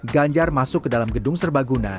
ganjar masuk ke dalam gedung serbaguna